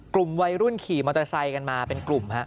กลุ่มวัยรุ่นขี่มอเตอร์ไซค์กันมาเป็นกลุ่มฮะ